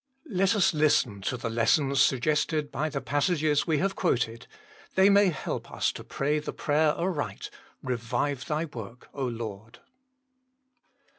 Let us listen to the lessons suggested by the passages we have, THE COMING REVIVAL 183 quoted ; they may help us to pray the prayer aright :" Eevive Thy work, Lord